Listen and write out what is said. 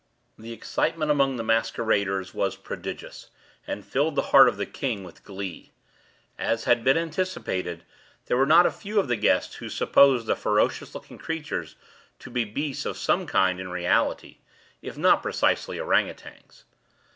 The excitement among the masqueraders was prodigious, and filled the heart of the king with glee. As had been anticipated, there were not a few of the guests who supposed the ferocious looking creatures to be beasts of some kind in reality, if not precisely ourang outangs.